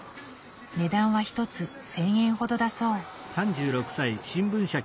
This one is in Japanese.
値段は１つ１，０００円ほどだそう。